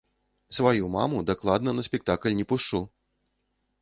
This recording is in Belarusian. Сваю маму дакладна на спектакль не пушчу!